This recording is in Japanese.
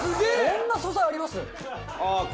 そんな素材あります？